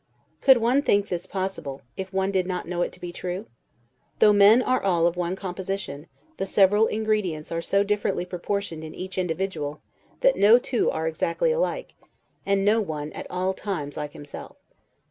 Could one think this possible, if one did not know it to be true? Though men are all of one composition, the several ingredients are so differently proportioned in each individual, that no two are exactly alike; and no one at all times like himself.